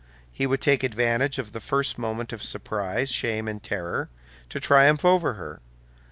He would take advantage of the first moment of surprise, shame, and terror, to triumph over her.